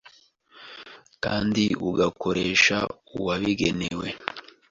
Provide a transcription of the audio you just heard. kandi ugakoresha uwabigenewe